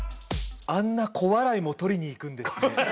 「あんな小笑いも取りにいくんですね」。